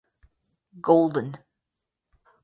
Golden.